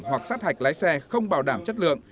hoặc sát hạch lái xe không bảo đảm chất lượng